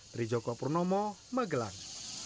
dari joko purnomo magelang